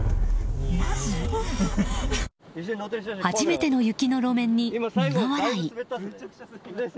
初めての雪の路面に苦笑い。